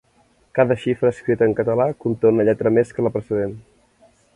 Cada xifra, escrita en català, conté una lletra més que la precedent.